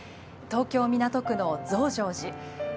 東京・港区の増上寺。